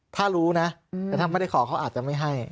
ถ้ารู้นะแต่ถ้าไม่ได้ขอเขาอาจจะไม่ให้